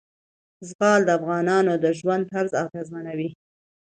زغال د افغانانو د ژوند طرز اغېزمنوي.